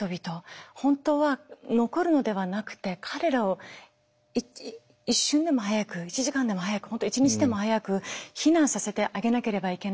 本当は残るのではなくて彼らを一瞬でも早く１時間でも早く本当１日でも早く避難させてあげなければいけないのに。